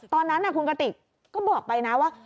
ตอนนั้นคุณกติกก็บอกไปนะว่า